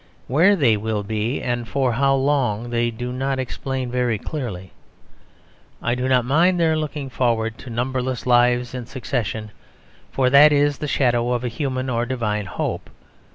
Where they will be, and for how long, they do not explain very clearly. I do not mind their looking forward to numberless lives in succession; for that is the shadow of a human or divine hope.